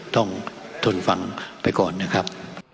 ทนฟังไปก่อนนะครับ